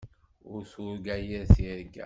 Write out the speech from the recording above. Ur turga yir tirga.